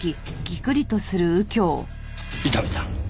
伊丹さん